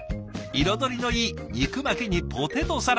彩りのいい肉巻きにポテトサラダ。